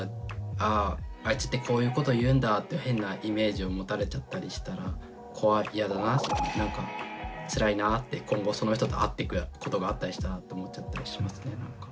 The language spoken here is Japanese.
あああいつってこういうことを言うんだって変なイメージを持たれちゃったりしたら怖い嫌だななんかつらいなって今後その人と会ってくことがあったりしたらって思っちゃったりしますねなんか。